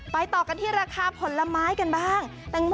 ต่อกันที่ราคาผลไม้กันบ้าง